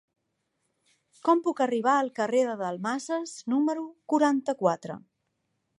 Com puc arribar al carrer de Dalmases número quaranta-quatre?